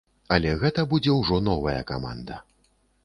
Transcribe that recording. Але гэта будзе ўжо новая каманда.